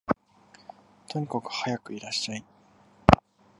とにかくはやくいらっしゃい